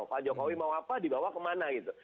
pak jokowi mau apa dibawa ke mana gitu